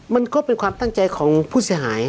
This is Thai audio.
มันก็เป็นความตั้งใจของผู้เสียหาย